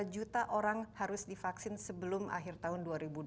satu ratus delapan puluh dua juta orang harus divaksin sebelum akhir tahun dua ribu dua puluh satu